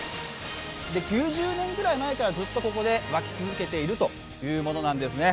９０年ぐらい前からずっとここで湧き続けているものです。